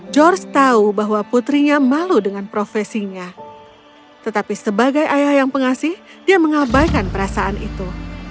george tahu bahwa putrinya malu dengan profesinya tetapi sebagai ayah yang pengasih dia mengabaikan perasaan itu